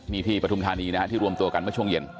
นี่ที่ปฐุมธานีนะฮะที่รวมตัวกันเมื่อช่วงเย็น